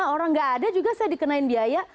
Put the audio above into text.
orang nggak ada juga saya dikenain biaya